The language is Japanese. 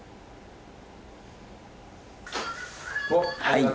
はい。